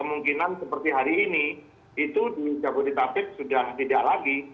kemungkinan seperti hari ini itu di jabodetabek sudah tidak lagi